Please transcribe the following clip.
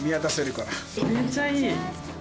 めっちゃいい。